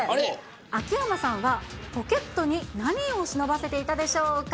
秋山さんは、ポケットに何を忍ばせていたでしょうか。